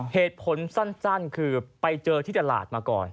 เหตุผลสั้นคือไปเจอที่ตลาดมาก่อน